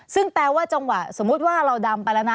ซึ่งแปลว่าจังหวะสมมุติว่าเราดำไปแล้วนะ